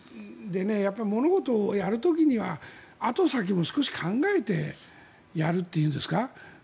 物事をやる時には後先も少し考えてやるというんですか。